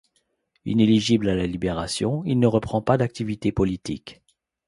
Inéligible à la Libération, il ne reprend pas d'activité politique.